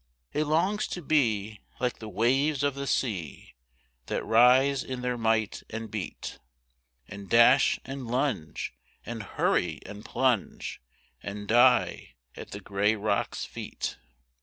It longs to be, like the waves of the sea That rise in their might and beat And dash and lunge, and hurry and plunge, And die at the grey rocks' feet.